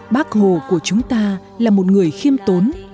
bác hồ của chúng ta là một người khiêm tốn